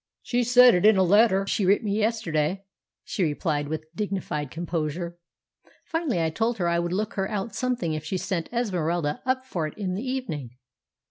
"She said it in a letter she writ me yesterday," she replied with dignified composure. Finally I told her I would look her out something if she sent Esmeralda up for it in the evening.